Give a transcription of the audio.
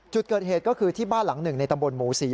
จุดเกิดเหตุก็คือที่บ้านหลังหนึ่งในตำบลหมูศรี